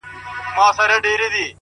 د کار ارزښت په پایله نه محدودېږي’